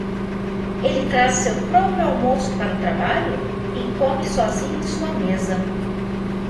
Ele traz seu próprio almoço para o trabalho? e come sozinho em sua mesa.